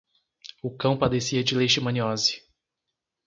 O cão padecia de leishmaniose